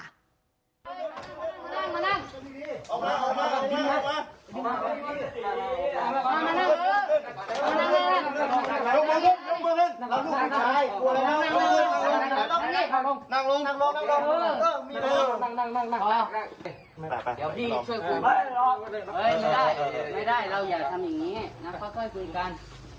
ไม่ได้เราอยากทำอย่างงี้นะค่อยคุยกัน